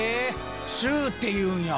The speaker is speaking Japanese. シューっていうんや。